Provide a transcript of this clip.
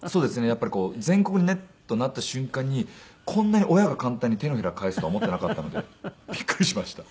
やっぱり全国ネットになった瞬間にこんなに親が簡単に手のひら返すとは思っていなかったのでびっくりしました。